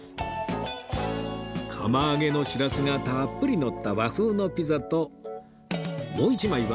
釜揚げのしらすがたっぷりのった和風のピザともう１枚は